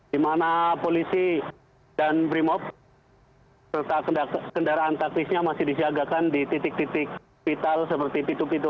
di mana polisi dan brimop serta kendaraan taktisnya masih disiagakan di titik titik vital seperti pintu pintu